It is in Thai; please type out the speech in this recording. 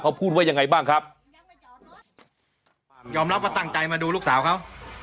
เขาพูดว่ายังไงบ้างครับยอมรับว่าตั้งใจมาดูลูกสาวเขา